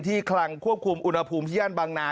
คลังควบคุมอุณหภูมิที่ย่านบางนา